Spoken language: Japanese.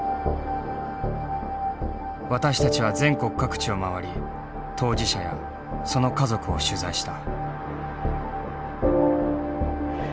私たちは全国各地を回り当事者やその家族を取材した。